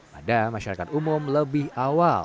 pada masyarakat umum lebih awal